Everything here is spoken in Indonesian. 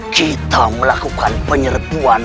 kita melakukan penyerbuan